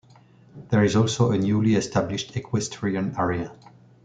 There is also a newly established equestrian area.